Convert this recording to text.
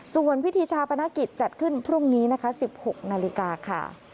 ส่วนพิธีชาปนกิจจัดขึ้นพรุ่งนี้นะคะ๑๖นาฬิกาค่ะ